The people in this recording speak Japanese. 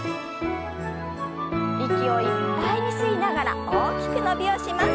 息をいっぱいに吸いながら大きく伸びをします。